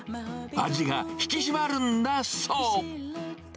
味が引き締まるんだそう。